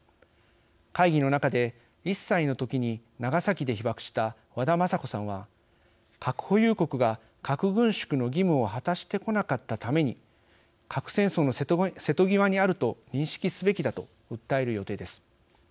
会議の中で１歳の時に長崎で被爆した和田征子さんは核保有国が核軍縮の義務を果たしてこなかったために核戦争の瀬戸際にあると認識すべきだと訴える予定です。